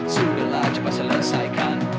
sudahlah coba selesaikan